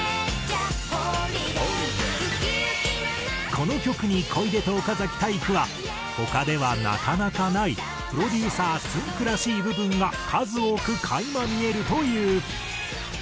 この曲に小出と岡崎体育は他ではなかなかないプロデューサーつんく♂らしい部分が数多く垣間見えるという。